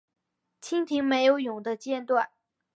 蜻蜓没有蛹的阶段。